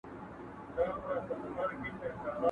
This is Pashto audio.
د وریجو په رنګولو کې له زعفرانو څخه کار اخیستل کېږي.